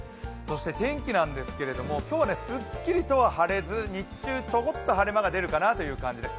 天気なんですけれども、今日はすっきりとは晴れず、日中、ちょこっと晴れ間が見えるかなっていう感じです。